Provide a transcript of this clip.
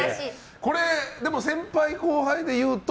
これ、先輩・後輩でいうと。